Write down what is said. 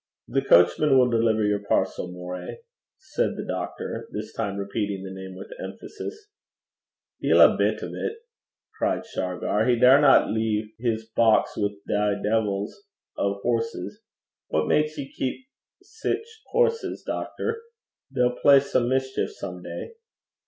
'The coachman will deliver your parcel, Moray,' said the doctor, this time repeating the name with emphasis. 'Deil a bit o' 't!' cried Shargar. 'He daurna lea' his box wi' thae deevils o' horses. What gars he keep sic horses, doctor? They'll play some mischeef some day.'